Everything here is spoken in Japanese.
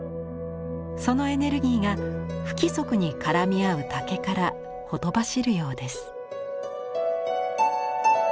そのエネルギーが不規則に絡み合う竹からほとばしるようです。